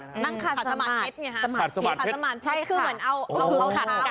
นั่งขัดสมาร์ทเพชรขัดสมาร์ทเพชรคือเหมือนเอา